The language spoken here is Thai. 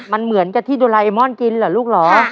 มันเหมือนกับที่โดราเอมอนกินเหรอลูกเหรอ